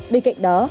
bên cạnh đó